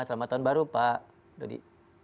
selamat tahun baru pak dodi